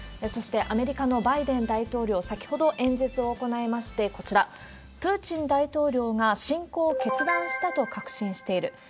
そして、アメリカのバイデン大統領、先ほど演説を行いまして、こちら、プーチン大統領が侵攻を決断したと確信している。